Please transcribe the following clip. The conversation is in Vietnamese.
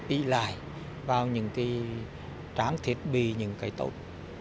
ý lại vào những cái tráng thiết bị những cái tốt